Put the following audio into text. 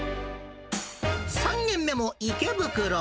３軒目も池袋。